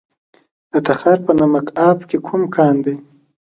د تخار په نمک اب کې کوم کان دی؟